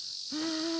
あ。